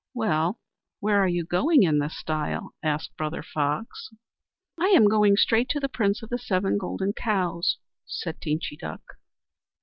"Well, where are you going in this style?" asked Brother Fox. "I am going straight to the Prince of the Seven Golden Cows," said Teenchy Duck.